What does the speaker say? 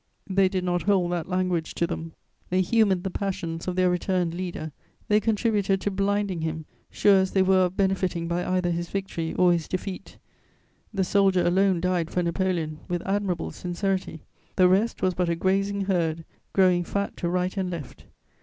They did not hold that language to them: they humoured the passions of their returned leader; they contributed to blinding him, sure as they were of benefiting by either his victory or his defeat. The soldier alone died for Napoleon, with admirable sincerity; the rest was but a grazing herd, growing fat to right and left.